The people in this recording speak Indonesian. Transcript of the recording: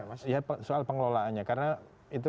mas ya soal pengelolaannya karena itu